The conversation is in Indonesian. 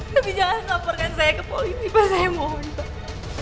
tapi jangan laporkan saya ke polisi pak saya mohon pak